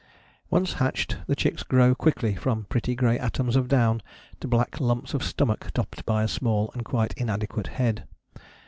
Once hatched the chicks grow quickly from pretty grey atoms of down to black lumps of stomach topped by a small and quite inadequate head.